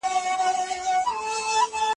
کمزوري خلګ تل له ستونزو سر ټکوي.